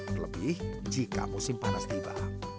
terlebih jika musim panas tiba